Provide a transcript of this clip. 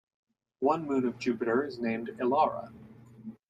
One moon of Jupiter is named Elara.